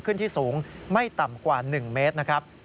ขึ้นที่สูงไม่ต่ำกว่า๑เมตรนะครับ